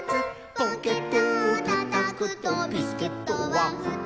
「ポケットをたたくとビスケットはふたつ」